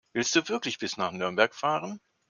Willst du wirklich bis nach Nürnberg fahren?